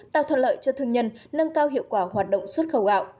tạo thuận lợi cho thương nhân nâng cao hiệu quả hoạt động xuất khẩu gạo